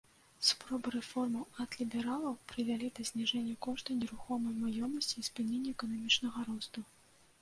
Спробы рэформаў ад лібералаў прывялі да зніжэння кошту нерухомай маёмасці і спынення эканамічнага росту.